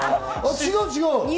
違う違う！